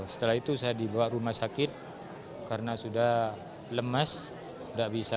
setelah itu saya dibawa ke rumah sakit karena sudah lemas tidak bisa